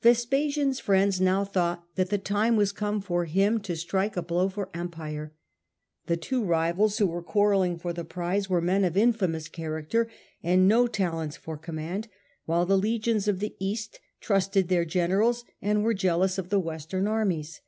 Vespasian's friends now thought that the time was come for him to strike a blow for empire. The two rivals who were quarrelling for the prize were men of infamous character and no talents for command, while the legions of the East trusted their generals and were jealous of the Western armies.